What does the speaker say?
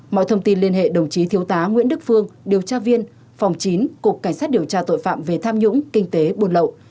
mọi thông tin liên hệ đồng chí thiếu tá nguyễn đức phương điều tra viên phòng chín cục cảnh sát điều tra tội phạm về tham nhũng kinh tế buôn lậu